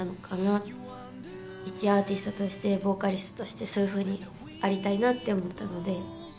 一アーティストとしてボーカリストとしてそういうふうにありたいなって思ったので。